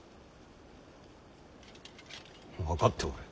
分かっておる。